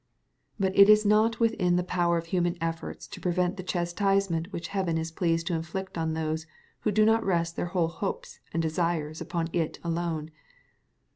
But it is not within the power of human efforts to prevent the chastisement which Heaven is pleased to inflict on those who do not rest their whole hopes and desires upon it alone.